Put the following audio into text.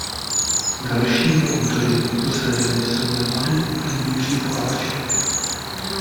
Dalšími autory této série jsou Jan Malý a Jiří Poláček.